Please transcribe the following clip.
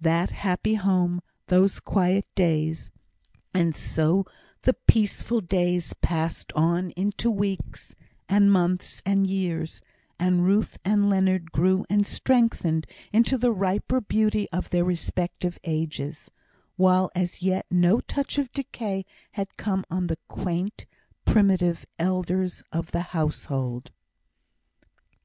That happy home those quiet days! And so the peaceful days passed on into weeks, and months, and years, and Ruth and Leonard grew and strengthened into the riper beauty of their respective ages; while as yet no touch of decay had come on the quaint, primitive elders of the household.